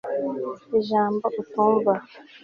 ijambo utumva